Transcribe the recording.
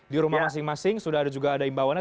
di rumah masing masing sudah ada juga ada imbauannya